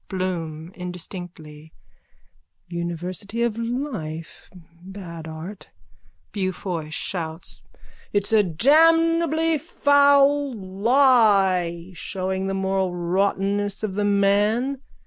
BLOOM: (Indistinctly.) University of life. Bad art. BEAUFOY: (Shouts.) It's a damnably foul lie, showing the moral rottenness of the man!